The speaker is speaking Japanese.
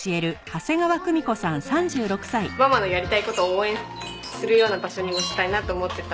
ママのやりたい事を応援するような場所にもしたいなと思ってたので。